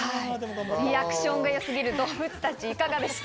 リアクションが良すぎる動物たちいかがでした？